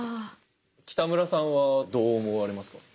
北村さんはどう思われますか？